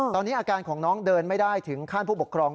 ตอนนี้อาการของน้องเดินไม่ได้ถึงขั้นผู้ปกครอง